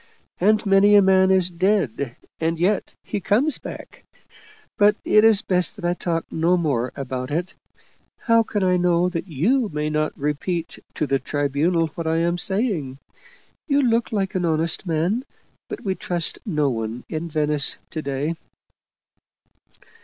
" And many a man is dead and yet he comes back. But it's best that I talk no more about it. How can I know that you may not repeat to the Tribunal what I am saying? You look like an honest man, but we trust no one in Venice to day."